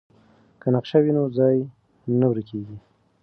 که نقشه وي نو ځای نه ورکیږي.